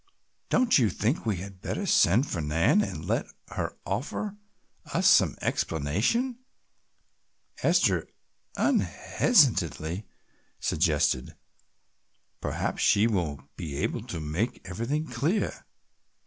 "Don't you think we had better send for Nan and let her offer us some explanation," Esther unhesitatingly suggested, "perhaps she will be able to make everything clear?"